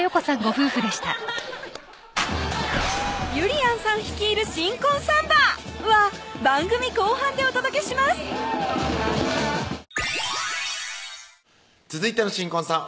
ゆりやんさん率いる新婚サンバは番組後半でお届けします続いての新婚さん